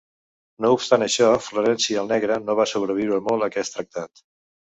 No obstant això, Florenci el Negre no va sobreviure molt a aquest tractat.